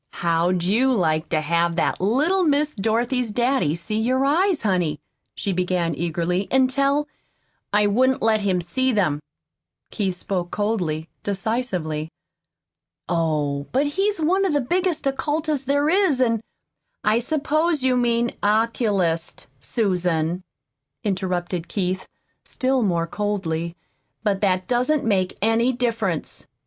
"How'd you like to have that little Miss Dorothy's daddy see your eyes, honey," she began eagerly, "an' tell " "I wouldn't let him see them." Keith spoke coldly, decisively. "Oh, but he's one of the biggest occultists there is, an' " "I suppose you mean 'oculist,' Susan," interrupted Keith, still more coldly; "but that doesn't make any difference.